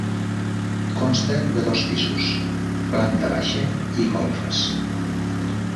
Consta de dos pisos, planta baixa i golfes.